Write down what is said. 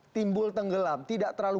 timbul tenggelam tidak terlalu